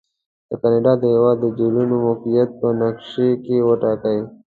د کاناډا د هېواد د جهیلونو موقعیت په نقشې کې وټاکئ.